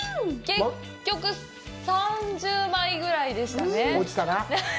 結局３０枚ぐらいでしたね。